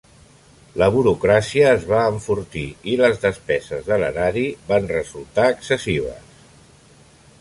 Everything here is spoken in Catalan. La burocràcia es va enfortir i les despeses de l'erari van resultar excessius.